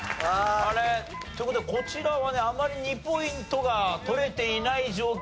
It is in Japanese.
あれ？という事でこちらはねあまり２ポイントが取れていない状況でございます。